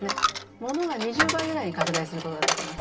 ものが２０倍ぐらいに拡大することができます。